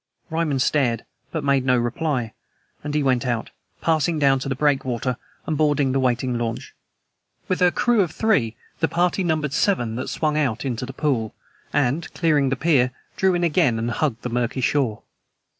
Ryman stared, but made no reply, and we went out, passing down to the breakwater and boarding the waiting launch. With her crew of three, the party numbered seven that swung out into the Pool, and, clearing the pier, drew in again and hugged the murky shore.